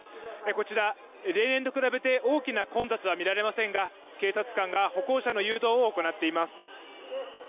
こちら、例年と比べて大きな混雑は見られませんが、警察官が歩行者の誘導を行っています。